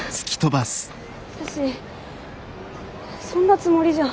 私そんなつもりじゃ。